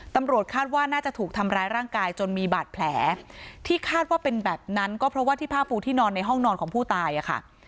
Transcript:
ตำรวจคาดว่าน่าจะถูกทำร้ายร่างกายจนมีบาดแผลที่คาดว่าเป็นแบบนั้นก็เพราะว่าที่ผ้าปูที่นอนในห้องนอนของผู้ตายอ่ะค่ะ